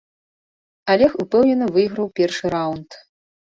Алег упэўнена выйграў першы раўнд.